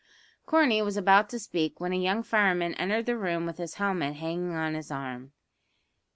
Corney was about to speak, when a young fireman entered the room with his helmet hanging on his arm.